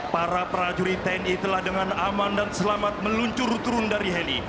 para prajurit tni telah dengan aman dan selamat meluncur turun dari heli